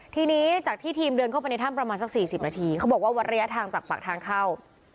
ทีนี้จากที่ทีมเดินเข้าไปในถ้ำประมาณสัก๔๐นาทีเขาบอกว่าวัดระยะทางจากปากทางเข้า